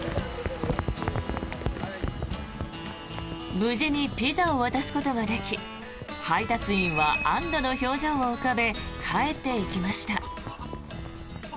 無事にピザを渡すことができ配達員は安どの表情を浮かべ帰っていきました。